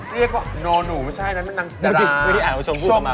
เรียกว่าโน่หนูไม่ใช่นั่นเป็นนางตรา